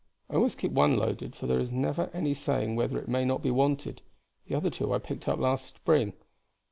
I always keep one loaded, for there is never any saying whether it may not be wanted; the other two I picked up last spring.